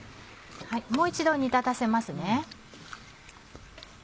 もう一度煮立たせますね。